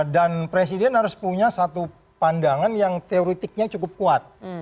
dan presiden harus punya satu pandangan yang teoretiknya cukup kuat